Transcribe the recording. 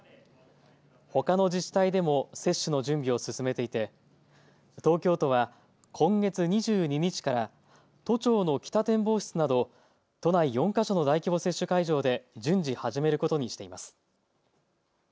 ほかの自治体でも接種の準備を進めていて東京都は今月２２日から都庁の北展望室など都内４か所の大規模接種会場で順次始めることにしています。